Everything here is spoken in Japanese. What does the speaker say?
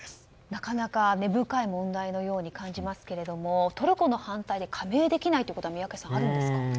なかなか根深い問題のように感じますけれどもトルコの反対で加盟できるということは宮家さん、あるんでしょうか。